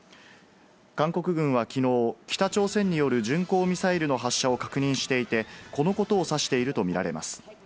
韓国軍はきのう、北朝鮮による巡航ミサイルの発射を確認していて、このことを指していると見られます。